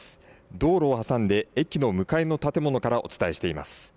道路を挟んで駅の向かいの建物からお伝えしています。